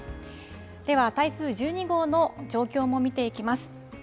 では台風１２号の状況も見ていきます。